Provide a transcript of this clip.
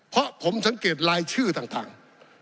เพราะผมสังเกตรายชื่อต่าง